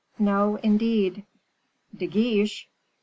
"No, indeed." "De Guiche!"